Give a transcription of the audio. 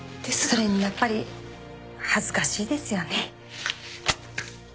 それにやっぱり恥ずかしいですよね。